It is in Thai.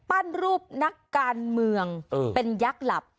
รูปนักการเมืองเป็นยักษ์หลับ